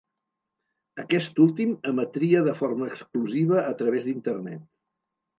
Aquest últim emetria de forma exclusiva a través d'Internet.